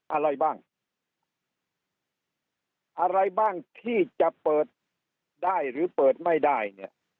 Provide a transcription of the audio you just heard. อะไรบ้างอะไรบ้างที่จะเปิดได้หรือเปิดไม่ได้เนี่ย